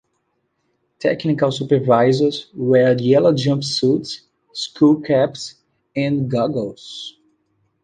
Technical supervisors wear yellow jumpsuits, skull-caps, and goggles.